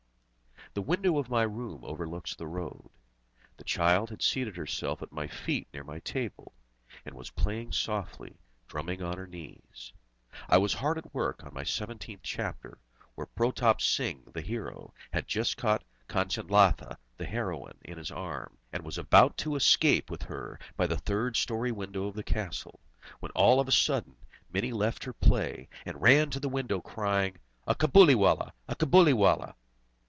The window of my room overlooks the road. The child had seated herself at my feet near my table, and was playing softly, drumming on her knees. I was hard at work on my seventeenth chapter, where Protrap Singh, the hero, had just caught Kanchanlata, the heroine, in his arms, and was about to escape with her by the third story window of the castle, when all of a sudden Mini left her play, and ran to the window, crying, "A Cabuliwallah! a Cabuliwallah!"